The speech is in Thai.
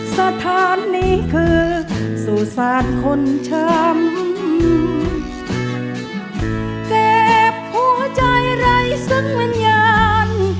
สถานีคือสุสานคนช้ำเจ็บหัวใจไร้สักวิญญาณ